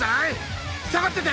下がってて！